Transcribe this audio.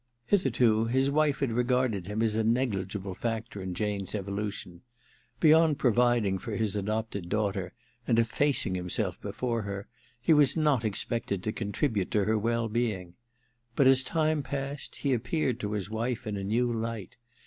Hitherto his wife had r^arded him as a negligible factor in Jane's evolution. Beyond providing for his adopted daughter, and effac ing himself before her, he was not expected to contribute to her well being. But as time passed he appeared to his wLre in a new light.